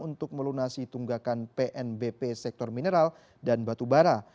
untuk melunasi tunggakan pnbp sektor mineral dan batubara